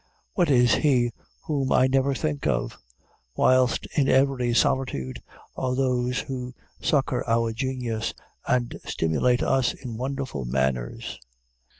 What is he whom I never think of? whilst in every solitude are those who succor our genius, and stimulate us in wonderful manners.